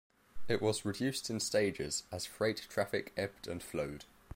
It was reduced in stages as freight traffic ebbed and flowed.